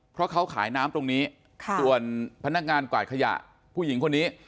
เพราะเขาขายน้ำตรงนี้ส่วนพนักงานกวาดขยะผู้หญิงคนนี้